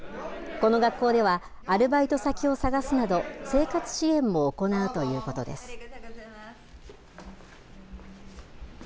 この学校では、アルバイト先を探すなど、生活支援も行うということです。